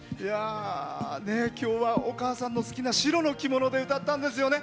きょうはお母さんの好きな白の着物で歌ったんですよね。